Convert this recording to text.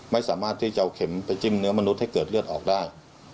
ไม่สามารถที่จะเอาเข็มไปจิ้มเนื้อมนุษย์ให้เกิดเลือดออกได้